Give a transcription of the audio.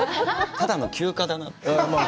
ただの休暇だなという。